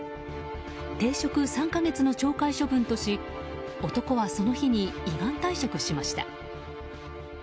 停職３か月の懲戒処分とし男は、その日に依願退職しました。